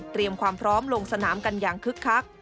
ความพร้อมลงสนามกันอย่างคึกคัก